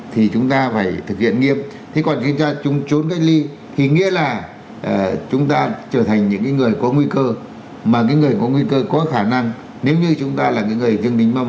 thì chúng ta không nên đi thăm viếng quá nhiều như ngày xưa nữa